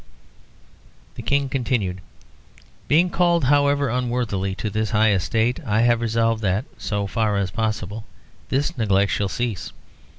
The King continued: "Being called, however unworthily, to this high estate, I have resolved that, so far as possible, this neglect shall cease.